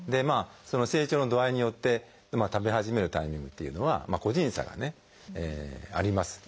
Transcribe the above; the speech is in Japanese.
成長の度合いによって食べ始めるタイミングっていうのは個人差がねあります。